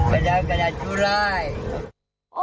มิชุนา